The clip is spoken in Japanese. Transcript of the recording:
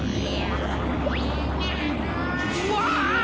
うわ！